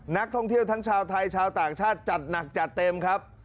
นักท่องเที่ยวทั้งชาวไทยชาวต่างชาติจัดหนักจัดเต็มครับ